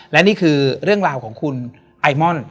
และนี่คือเรื่องราวของคุณไอมอน